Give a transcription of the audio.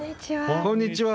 こんにちは。